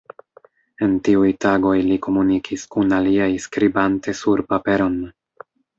En tiuj tagoj li komunikis kun aliaj skribante sur paperon.